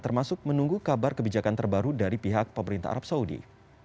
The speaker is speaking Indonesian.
termasuk menunggu kabar kebijakan terbaru dari pihak pemerintah arab saudi